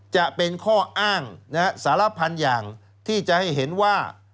จะเป็นข้ออ้างสารพันอย่างที่จะให้เห็นว่า